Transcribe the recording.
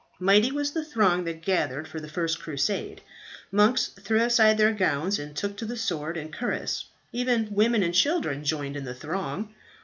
"Mighty was the throng that gathered for the First Crusade. Monks threw aside their gowns and took to the sword and cuirass; even women and children joined in the throng.